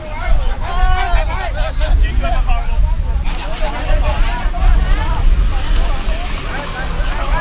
วันนี้เราจะมาจอดรถที่แรงละเห็นเป็น